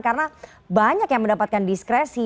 karena banyak yang mendapatkan diskresi